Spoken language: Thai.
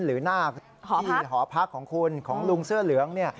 หรือหน้าหอพักของคุณหอพักของลุงเสื้อเหลือง